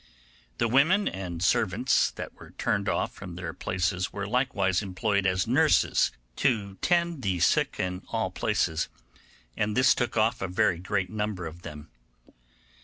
The women and servants that were turned off from their places were likewise employed as nurses to tend the sick in all places, and this took off a very great number of them.